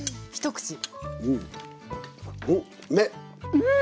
うん！